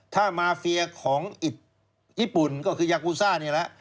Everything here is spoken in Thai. ถ้ามาเฟียของอิดญี่ปุ่นก็คือยากูซ่านี่แหละ